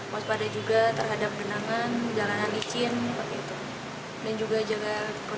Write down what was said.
waspada juga terhadap benangan jalanan licin dan juga jaga kondisi kesehatan